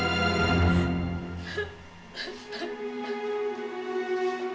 dan kita danres dengan taverna apa apa